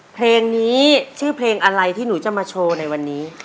เพลงนี้ชื่อเพลงอะไรที่หนูจะมาโชว์ในวันนี้